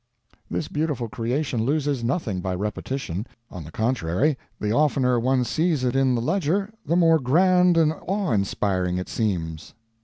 This beautiful creation loses nothing by repetition. On the contrary, the oftener one sees it in the Ledger, the more grand and awe inspiring it seems.